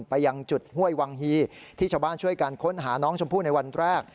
ไปยังจุดห้วยวังฮีที่ชาวบ้านช่วยกันค้นหาน้องชมพู่ในวันแรก